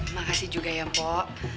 makasih juga ya pok